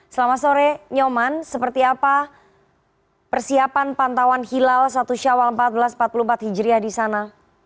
selamat sore nyoman seperti apa persiapan pantauan hilal satu syawal seribu empat ratus empat puluh empat hijriah di sana